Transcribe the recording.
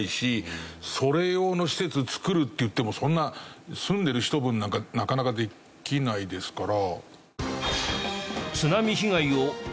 それ用の施設造るっていってもそんな住んでる人分なんかなかなかできないですから。